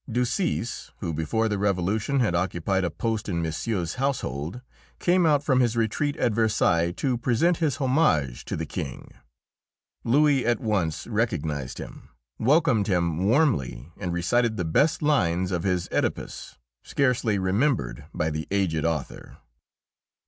Ducis, who before the Revolution had occupied a post in Monsieur's household, came out from his retreat at Versailles to present his homage to the King. Louis at once recognised him, welcomed him warmly, and recited the best lines of his "Oedipus," scarcely remembered by the aged author.